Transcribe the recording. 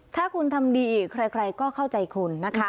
ถ้าคุณทำดีอีกใครก็เข้าใจคุณนะคะ